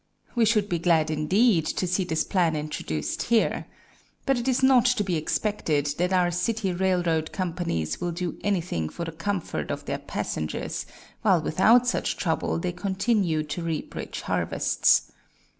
We should be glad, indeed, to see this plan introduced here. But it is not to be expected that our city railroad companies will do anything for the comfort of their passsengers, while without such trouble they continue to reap rich harvests.